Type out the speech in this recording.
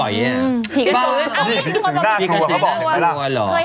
อ่าวพี่กศือผิกกระสือนางตัวเขาบอก